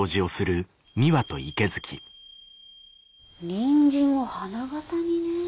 ニンジンを花形にねえ。